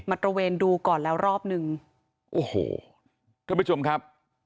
ตระเวนดูก่อนแล้วรอบหนึ่งโอ้โหท่านผู้ชมครับ